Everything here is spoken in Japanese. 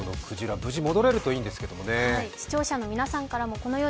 無事戻れるといいんですけどね。